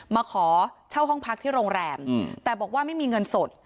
มาขอเช่าห้องพักที่โรงแรมแต่บอกว่าไม่มีเงินสด